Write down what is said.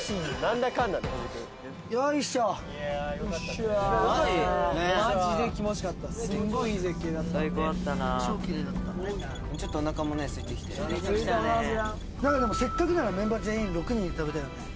だけどせっかくならメンバー全員６人で食べたいよね。